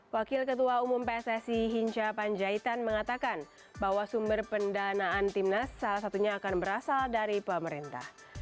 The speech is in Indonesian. wakil ketua umum pssi hinca panjaitan mengatakan bahwa sumber pendanaan timnas salah satunya akan berasal dari pemerintah